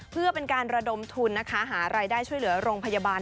เพื่อเป็นการระดมทุนนะคะหารายได้ช่วยเหลือโรงพยาบาล